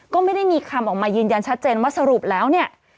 ก็ไม่ได้มีคำออกมายืนยันชัดเจนว่าสรุปแล้วเนี่ย